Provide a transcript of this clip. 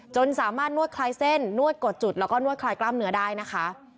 จนสามารถนวดคลายเส้นนวดกดจุดแล้วก็นวดคลายกล้ามเนื้อได้นะคะ